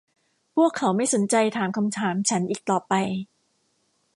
พวกเขาไม่สนใจถามคำถามฉันอีกต่อไป